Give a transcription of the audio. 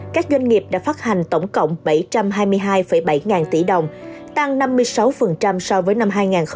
các doanh nghiệp đã phát hành tổng cộng bảy trăm hai mươi hai bảy ngàn tỷ đồng tăng năm mươi sáu so với năm hai nghìn một mươi tám